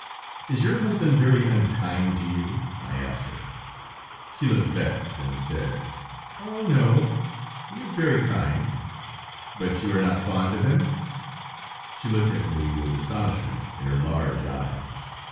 "Is your husband very unkind to you?" I asked her. She looked vexed, and said: "Oh! No, he is very kind." "But you are not fond of him?" She looked at me with astonishment in her large eyes.